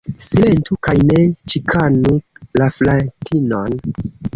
Silentu kaj ne ĉikanu la fratinon!